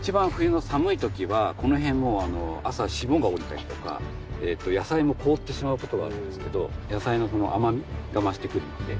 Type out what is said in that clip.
一番冬の寒い時はこの辺朝霜が降りたりとか野菜も凍ってしまう事があるんですけど野菜の甘みが増してくるので。